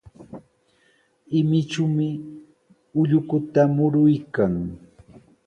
Imichumi ullukuta muruykan.